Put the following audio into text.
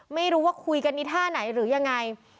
ไม่รู้ว่าคุยกันในท่าไหนหรือยังไง